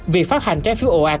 việc phát hành trái phiếu ồ ạc